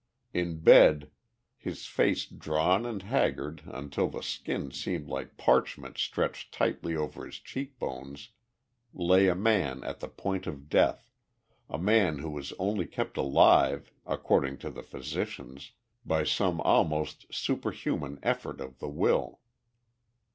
In bed, his face drawn and haggard until the skin seemed like parchment stretched tightly over his cheekbones, lay a man at the point of death a man who was only kept alive, according to the physicians, by some almost superhuman effort of the will.